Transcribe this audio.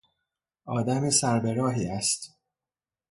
آدم سر به راهی است.